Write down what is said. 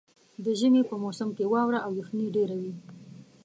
د ژمي په موسم کې واوره او یخني ډېره وي.